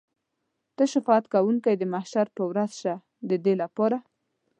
ته شفاعت کوونکی د محشر په ورځ شه د ده لپاره.